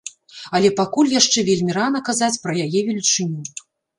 Але пакуль яшчэ вельмі рана казаць пра яе велічыню.